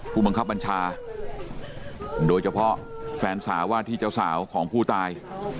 ผู้บังคับบัญชาโดยเฉพาะแฟนสาวว่าที่เจ้าสาวของผู้ตาย